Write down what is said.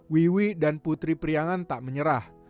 wiwi dan putri priangan tak menyerah